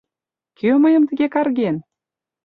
Кӧ мыйым тыге карген?